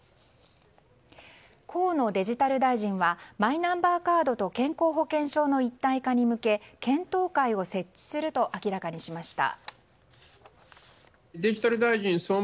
河野デジタル大臣はマイナンバーカードと健康保険証の一体化に向け検討会を設置すると明らかにしました。